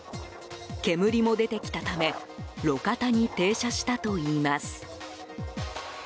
煙も出てきたため路肩に停車したといいます。